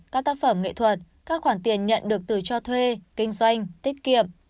các tác phẩm nghệ thuật các khoản tiền nhận được từ cho thuê kinh doanh tiết kiệm